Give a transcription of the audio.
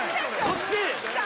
こっち！